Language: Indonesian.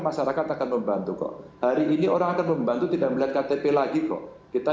masyarakat akan membantu kok hari ini orang akan membantu tidak melihat ktp lagi kok kita